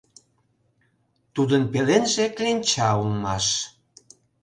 Тудын пеленже кленча улмаш...